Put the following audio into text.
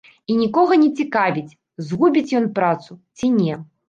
І нікога не цікавіць, згубіць ён працу ці не.